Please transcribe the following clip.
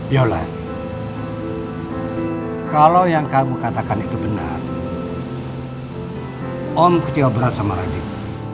yola kalau yang kamu katakan itu benar om kecewa berat sama radik